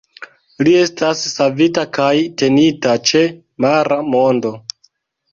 Li estas savita kaj tenita ĉe Mara Mondo.